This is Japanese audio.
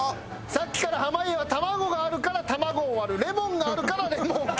さっきから濱家は卵があるから卵を割るレモンがあるからレモンを切る。